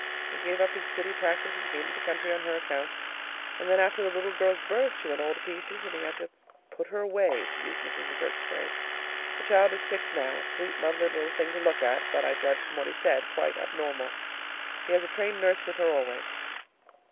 He gave up his city practice and came to the country on her account. And then after the little girl's birth she went all to pieces, and he had to "put her away," to use Mrs. McGurk's phrase. The child is six now, a sweet, lovely little thing to look at, but, I judge from what he said, quite abnormal. He has a trained nurse with her always.